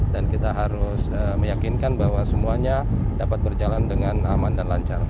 dan kita harus meyakinkan bahwa semuanya dapat berjalan dengan aman dan lancar